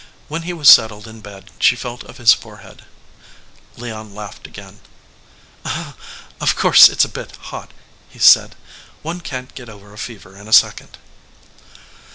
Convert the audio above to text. When he was settled in bed she felt of his fore head. Leon laughed again. "Of course it s a bit hot," he said. "One can t get over a fever in a second."